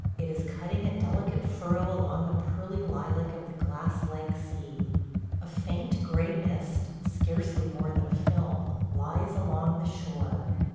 – It is cutting a delicate furrow along the pearly lilac of the glass like sea. A faint gray mist, scarcely more than a film, lies along the shore.